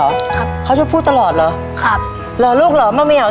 ครับเขาจะพูดตลอดเหรอครับเหรอลูกเหรอมะเมียว